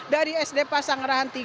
dari sd pasang rahan tiga